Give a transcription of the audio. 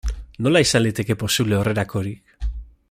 Nola izan liteke posible horrelakorik?